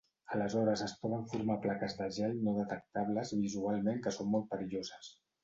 Aleshores es poden formar plaques de gel no detectables visualment que són molt perilloses.